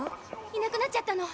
いなくなっちゃったの。